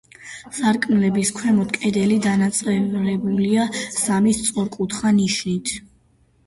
სარკმლების ქვემოთ კედელი დანაწევრებულია სამი სწორკუთხა ნიშით.